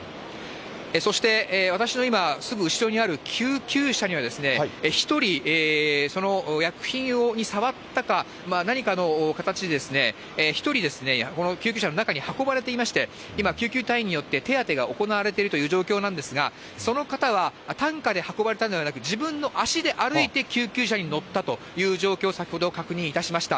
そして、私の今、すぐ後ろにある救急車には、１人、その薬品に触ったか、何かの形で、１人救急車の中に運ばれていまして、今、救急隊員によって手当てが行われているという状況なんですが、その方は、担架で運ばれたのではなく、自分の足で歩いて救急車に乗ったという状況、先ほど確認いたしました。